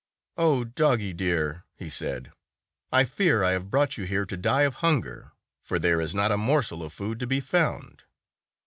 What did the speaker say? "O Doggie dear!" he said, "I fear I have brought you here to die of hunger, for there is not a morsel of food to be found."